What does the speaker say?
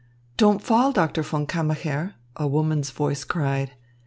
"Don't fall, Doctor von Kammacher!" a woman's voice cried.